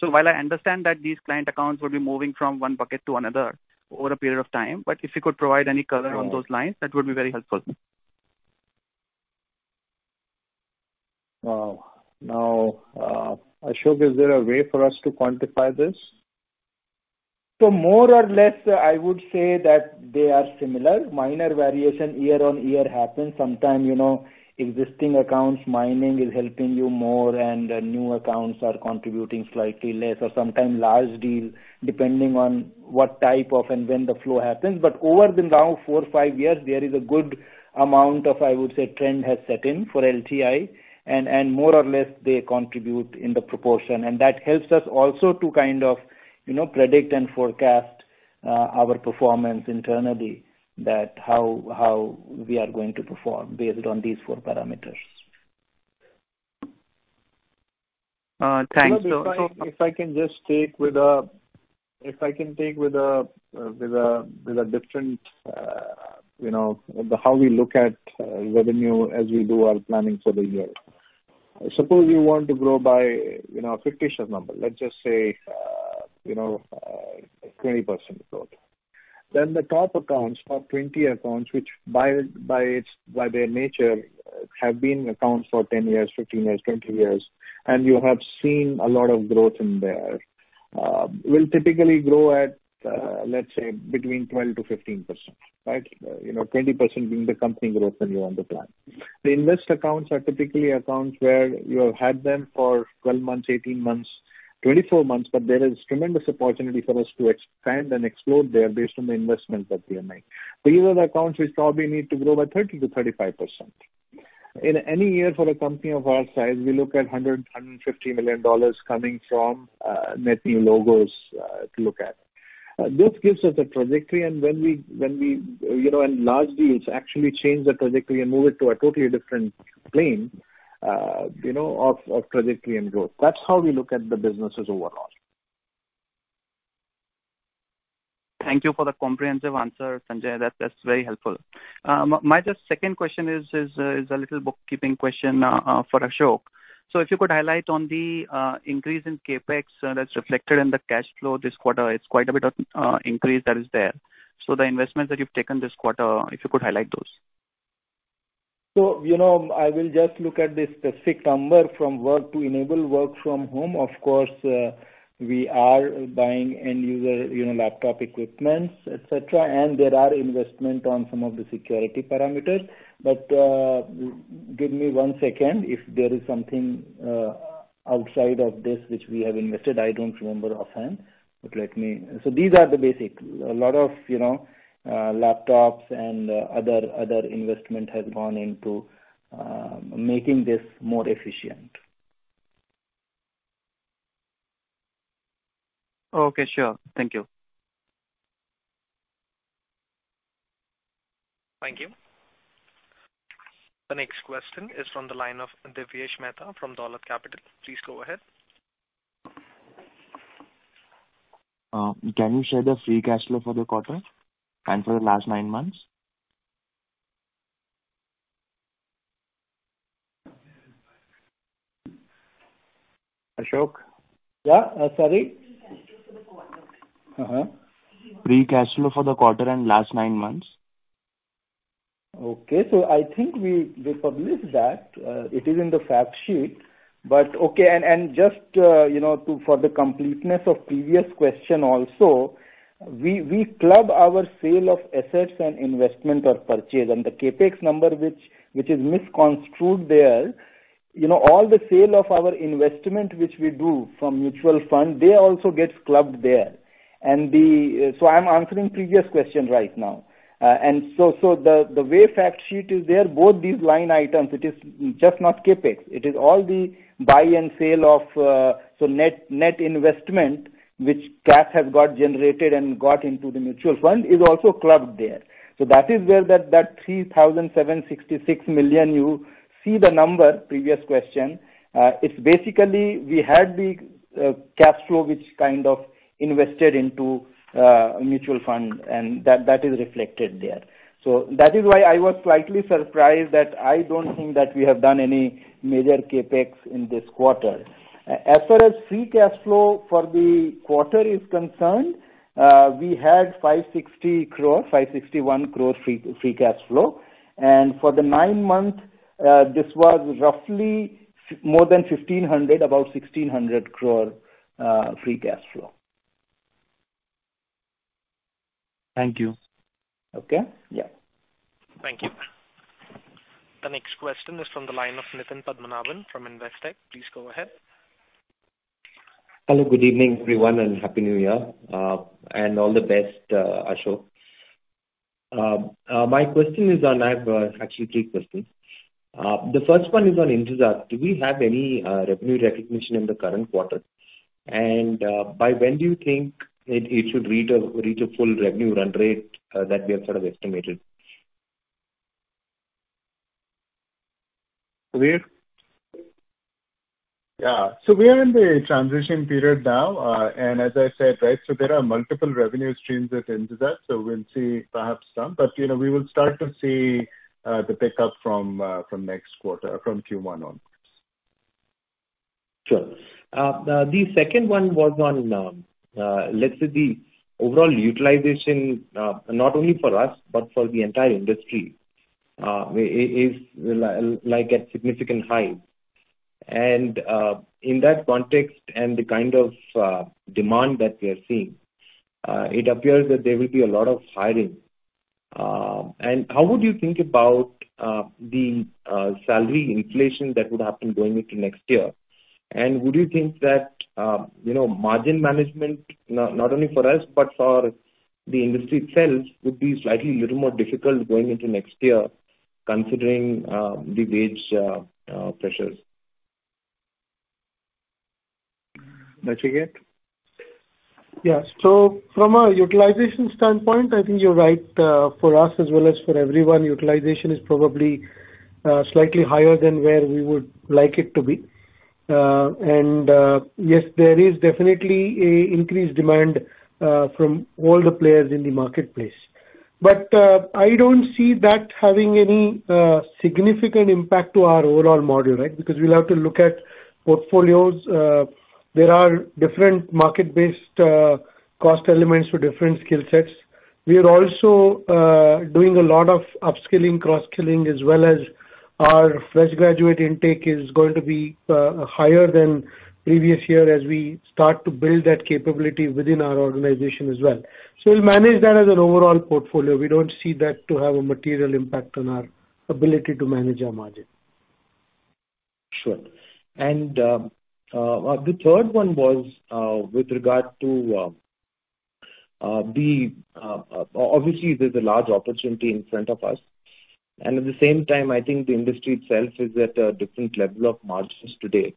While I understand that these client accounts will be moving from one bucket to another over a period of time, but if you could provide any color on those lines, that would be very helpful. Wow. Now, Ashok, is there a way for us to quantify this? More or less, I would say that they are similar. Minor variation year-on-year happens. Sometime existing accounts mining is helping you more and new accounts are contributing slightly less. Sometime large deal, depending on what type of and when the flow happens. Over the now four, five years, there is a good amount of, I would say, trend has set in for LTI. More or less they contribute in the proportion. That helps us also to kind of predict and forecast our performance internally, that how we are going to perform based on these four parameters. Thanks. How we look at revenue as we do our planning for the year. Suppose you want to grow by a fictitious number, let's just say 20% growth. The top accounts, top 20 accounts, which by their nature have been accounts for 10 years, 15 years, 20 years, and you have seen a lot of growth in there will typically grow at, let's say, between 12%-15%. Right? 20% being the company growth that you want to plan. The invest accounts are typically accounts where you have had them for 12 months, 18 months, 24 months, but there is tremendous opportunity for us to expand and explode there based on the investments that we are making. These are the accounts which probably need to grow by 30%-35%. In any year for a company of our size, we look at $100 million, $150 million coming from net new logos to look at. This gives us a trajectory, and large deals actually change the trajectory and move it to a totally different plane of trajectory and growth. That's how we look at the businesses overall. Thank you for the comprehensive answer, Sanjay. That's very helpful. My second question is a little bookkeeping question for Ashok. If you could highlight on the increase in CapEx that's reflected in the cash flow this quarter. It's quite a bit of increase that is there. The investments that you've taken this quarter, if you could highlight those. I will just look at the specific number from work to enable work from home. Of course, we are buying end user laptop equipments, etc, and there are investment on some of the security parameters. Give me one second. If there is something outside of this which we have invested, I don't remember offhand. These are the basic. A lot of laptops and other investment has gone into making this more efficient. Okay, sure. Thank you. Thank you. The next question is from the line of Divyesh Mehta from Dolat Capital. Please go ahead. Can you share the free cash flow for the quarter and for the last nine months? Ashok? Yeah. Sorry. Free cash flow for the quarter and last nine months? Okay. I think we published that. It is in the fact sheet. Okay, and just for the completeness of previous question also, we club our sale of assets and investment or purchase and the CapEx number, which is misconstrued there. All the sale of our investment which we do from mutual fund, they also get clubbed there. I am answering previous question right now. The way fact sheet is there, both these line items, it is just not CapEx. It is all the buy and sale of net investment which cash has got generated and got into the mutual fund is also clubbed there. That is where that $3,766 million, you see the number, previous question. It's basically we had the cash flow which kind of invested into mutual fund and that is reflected there. That is why I was slightly surprised that I don't think that we have done any major CapEx in this quarter. As far as free cash flow for the quarter is concerned, we had 560 crore, 561 crore free cash flow. For the nine months, this was roughly more than 1,500 crore, about 1,600 crore free cash flow. Thank you. Okay. Yeah. Thank you. The next question is from the line of Nitin Padmanabhan from Investec. Please go ahead. Hello, good evening, everyone, and Happy New Year. All the best, Ashok. I have actually three questions. The first one is on Injazat. Do we have any revenue recognition in the current quarter? By when do you think it should reach a full revenue run rate that we have sort of estimated? Sudhir? Yeah. We are in the transition period now, and as I said, so there are multiple revenue streams with Injazat, so we'll see perhaps some. We will start to see the pickup from next quarter, from Q1 onwards. Sure. The second one was on, let's say the overall utilization, not only for us, but for the entire industry is at significant highs. In that context and the kind of demand that we are seeing, it appears that there will be a lot of hiring. How would you think about the salary inflation that would happen going into next year? Would you think that margin management, not only for us, but for the industry itself, would be slightly little more difficult going into next year considering the wage pressures? Did you get it? Yeah. From a utilization standpoint, I think you're right. For us as well as for everyone, utilization is probably slightly higher than where we would like it to be. Yes, there is definitely an increased demand from all the players in the marketplace. I don't see that having any significant impact to our overall model, right? We'll have to look at portfolios. There are different market-based cost elements for different skill sets. We are also doing a lot of upskilling, cross-skilling, as well as our fresh graduate intake is going to be higher than previous year as we start to build that capability within our organization as well. We'll manage that as an overall portfolio. We don't see that to have a material impact on our ability to manage our margin. Sure. The third one was with regard to, obviously, there's a large opportunity in front of us. At the same time, I think the industry itself is at a different level of margins today.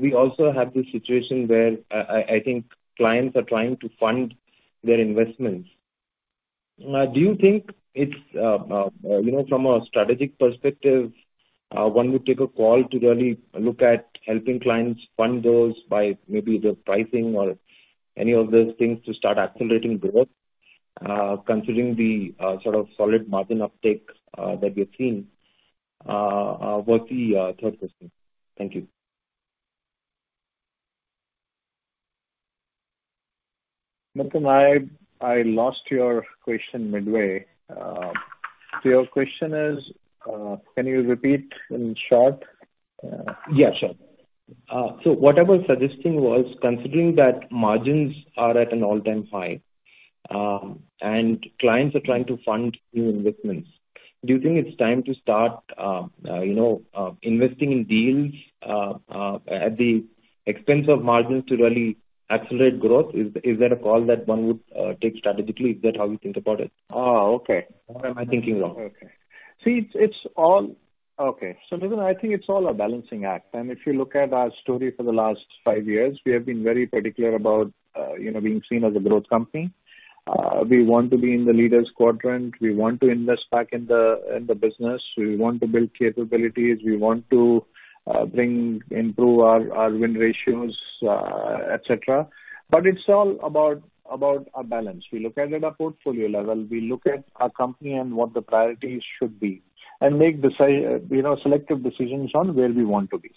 We also have this situation where I think clients are trying to fund their investments. Do you think from a strategic perspective, one would take a call to really look at helping clients fund those by maybe the pricing or any of those things to start accelerating growth, considering the sort of solid margin uptake that we've seen, was the third question. Thank you. Nitin, I lost your question midway. Your question is? Can you repeat in short? Yeah, sure. What I was suggesting was, considering that margins are at an all-time high and clients are trying to fund new investments, do you think it's time to start investing in deals at the expense of margins to really accelerate growth? Is that a call that one would take strategically? Is that how you think about it? Oh, okay. Am I thinking wrong? Okay. Nitin, I think it's all a balancing act. If you look at our story for the last five years, we have been very particular about being seen as a growth company. We want to be in the leaders quadrant. We want to invest back in the business. We want to build capabilities. We want to improve our win ratios, etc. It's all about a balance. We look at it at a portfolio level. We look at our company and what the priorities should be, and make selective decisions on where we want to be.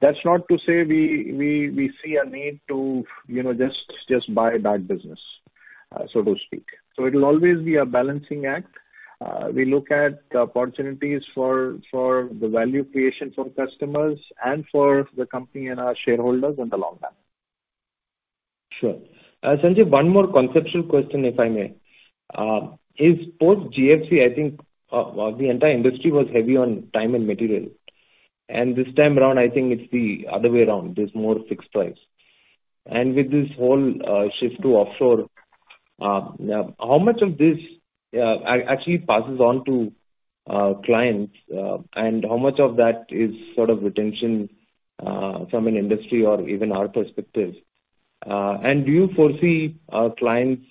That's not to say we see a need to just buy bad business, so to speak. It'll always be a balancing act. We look at opportunities for the value creation for customers and for the company and our shareholders in the long term. Sure. Sanjay, one more conceptual question, if I may. Is post GFC, I think the entire industry was heavy on time and material. This time around, I think it's the other way around. There's more fixed price. With this whole shift to offshore, how much of this actually passes on to clients, and how much of that is sort of retention from an industry or even our perspective? Do you foresee clients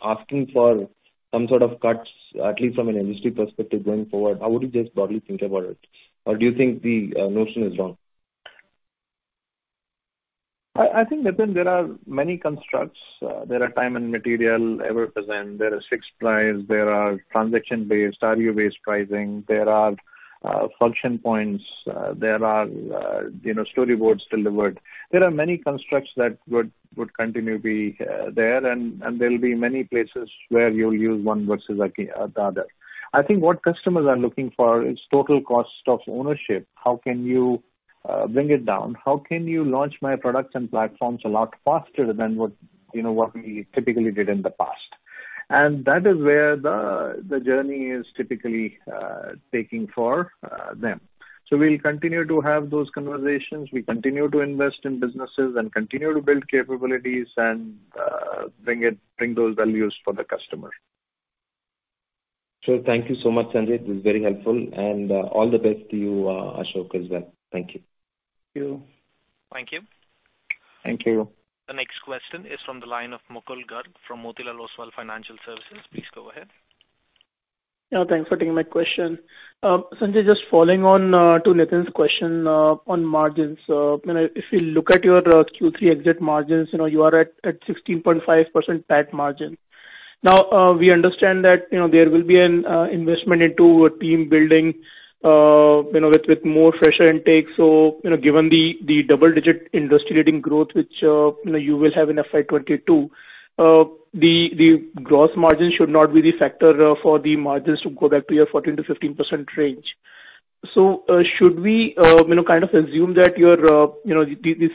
asking for some sort of cuts, at least from an industry perspective going forward? How would you just broadly think about it? Or do you think the notion is wrong? I think, Nitin, there are many constructs. There are time and material ever present. There are fixed price. There are transaction-based, value-based pricing. There are function points. There are storyboards delivered. There are many constructs that would continue to be there and there'll be many places where you'll use one versus the other. I think what customers are looking for is total cost of ownership. How can you bring it down? How can you launch my products and platforms a lot faster than what we typically did in the past? That is where the journey is typically taking for them. We'll continue to have those conversations. We continue to invest in businesses and continue to build capabilities and bring those values for the customer. Sure. Thank you so much, Sanjay. This is very helpful. All the best to you, Ashok, as well. Thank you. Thank you. Thank you. Thank you. The next question is from the line of Mukul Garg from Motilal Oswal Financial Services. Please go ahead. Yeah, thanks for taking my question. Sanjay, just following on to Nitin's question on margins. If you look at your Q3 exit margins, you are at 16.5% PAT margin. We understand that there will be an investment into team building with more fresher intake. Given the double-digit industry-leading growth, which you will have in FY 2022, the gross margin should not be the factor for the margins to go back to your 14%-15% range. Should we kind of assume that your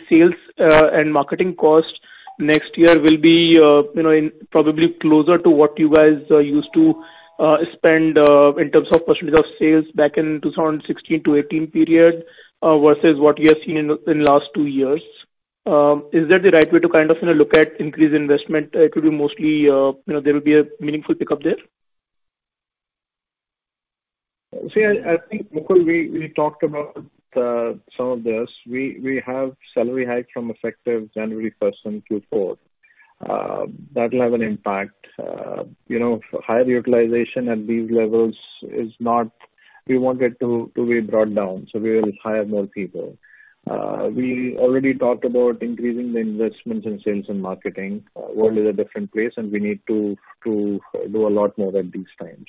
sales and marketing cost next year will be probably closer to what you guys used to spend in terms of percentage of sales back in 2016-2018 period, versus what we have seen in the last two years? Is that the right way to kind of look at increased investment? It will be mostly there will be a meaningful pickup there? See, I think, Mukul, we talked about some of this. We have salary hike from effective January 1st Q4. That will have an impact. Higher utilization at these levels, we want it to be brought down. We will hire more people. We already talked about increasing the investments in sales and marketing. World is a different place, we need to do a lot more at these times.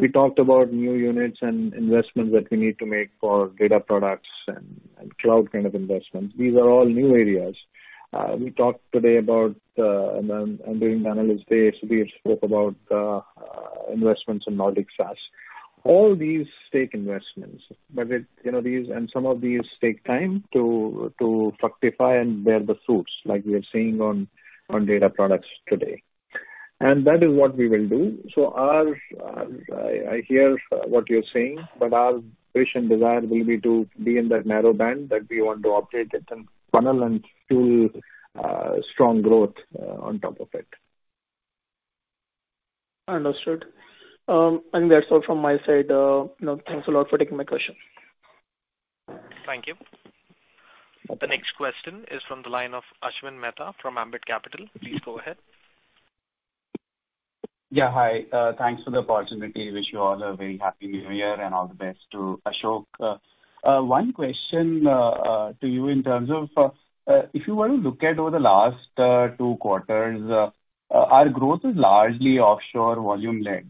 We talked about new units and investments that we need to make for data products and cloud kind of investments. These are all new areas. We talked today about, and during the analyst day, Sudhir spoke about investments in Nordic SaaS. All these take investments. Some of these take time to fructify and bear the fruits like we are seeing on data products today. That is what we will do. I hear what you're saying, but our wish and desire will be to be in that narrow band that we want to operate it and funnel and fuel strong growth on top of it. Understood. I think that's all from my side. Thanks a lot for taking my question. Thank you. The next question is from the line of Ashwin Mehta from Ambit Capital. Please go ahead. Yeah. Hi. Thanks for the opportunity. Wish you all a very happy new year and all the best to Ashok. One question to you in terms of, if you were to look at over the last two quarters, our growth is largely offshore volume-led.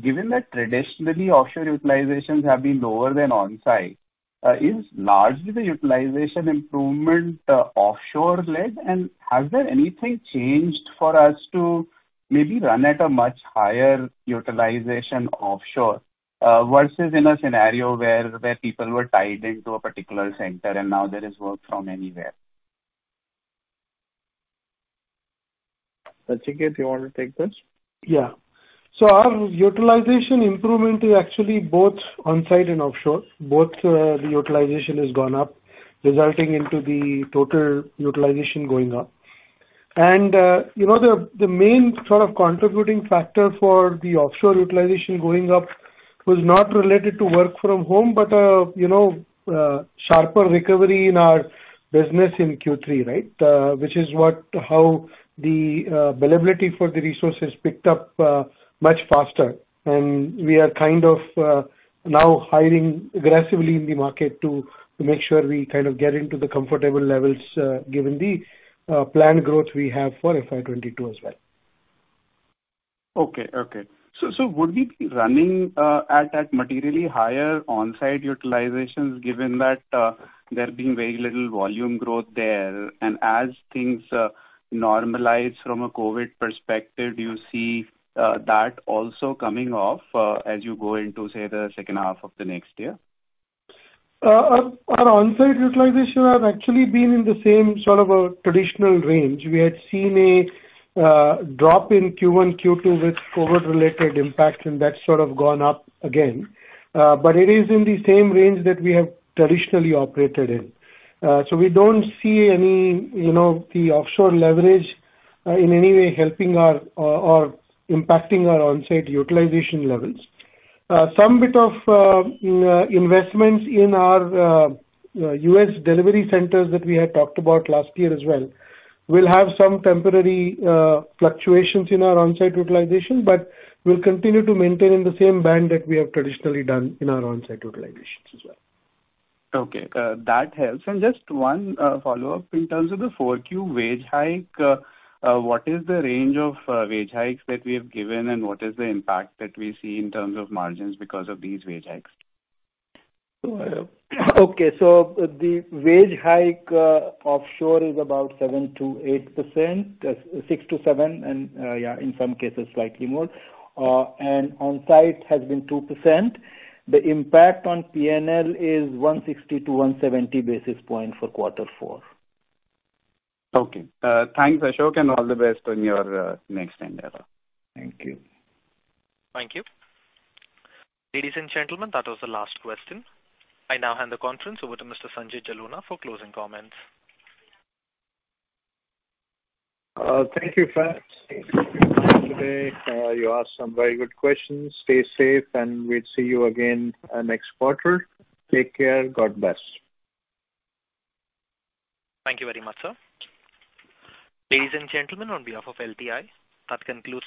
Given that traditionally offshore utilizations have been lower than on-site, is largely the utilization improvement offshore-led? Has there anything changed for us to maybe run at a much higher utilization offshore versus in a scenario where people were tied into a particular center and now there is work from anywhere? Nachiket, do you want to take this? Yeah. Our utilization improvement is actually both on-site and offshore. Both the utilization has gone up, resulting into the total utilization going up. The main sort of contributing factor for the offshore utilization going up was not related to work from home, but sharper recovery in our business in Q3. Which is how the availability for the resources picked up much faster. We are kind of now hiring aggressively in the market to make sure we kind of get into the comfortable levels given the planned growth we have for FY 2022 as well. Okay. Would we be running at that materially higher on-site utilizations given that there being very little volume growth there? As things normalize from a COVID perspective, do you see that also coming off as you go into, say, the second half of the next year? Our on-site utilization has actually been in the same sort of a traditional range. We had seen a drop in Q1, Q2 with COVID-related impact, and that's sort of gone up again. It is in the same range that we have traditionally operated in. We don't see any of the offshore leverage in any way helping us or impacting our on-site utilization levels. Some bit of investments in our U.S. delivery centers that we had talked about last year as well will have some temporary fluctuations in our on-site utilization, but we'll continue to maintain in the same band that we have traditionally done in our on-site utilizations as well. Okay. That helps. Just one follow-up. In terms of the 4Q wage hike, what is the range of wage hikes that we have given, and what is the impact that we see in terms of margins because of these wage hikes? Okay. The wage hike offshore is about 7%-8%, 6%-7%, and yeah, in some cases slightly more. On-site has been 2%. The impact on P&L is 160 basis points-170 basis points for quarter four. Okay. Thanks, Ashok, and all the best on your next endeavor. Thank you. Thank you. Ladies and gentlemen, that was the last question. I now hand the conference over to Mr. Sanjay Jalona for closing comments. Thank you. You asked some very good questions. Stay safe, and we'll see you again next quarter. Take care. God bless. Thank you very much, sir. Ladies and gentlemen, on behalf of LTI, that concludes-